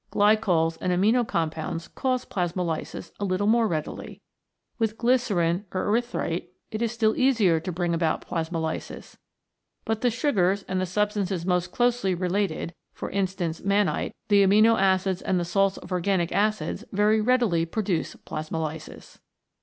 Glycols and amino compounds cause plasmolysis a little more readily. With glycerin or erythrite it is still easier to bring about plasmolysis. But the sugars and the substances most closely related (for instance, mannite), the amino acids and the salts of organic acids very readily produce plasmolysis.